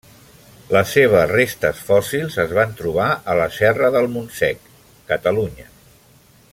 Les seves restes fòssils es van trobar a la Serra del Montsec, Catalunya.